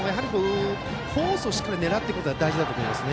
コースをしっかり狙ってくるのが大事だと思います。